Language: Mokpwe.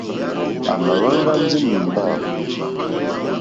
À mà wá ŋɡá ndí nǐmbà.